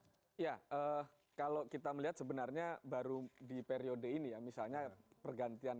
ya kalau kita melihat sebenarnya baru di periode ini ya misalnya pergantian